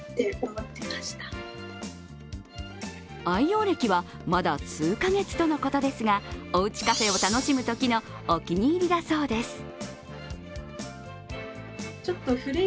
愛用歴はまだ数カ月とのことですが、お家カフェを楽しむときのお気に入りだそうです。